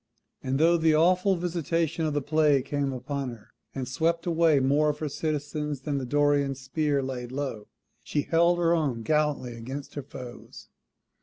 And though the awful visitation of the Plague came upon her, and swept away more of her citizens than the Dorian spear laid low, she held her own gallantly against her foes.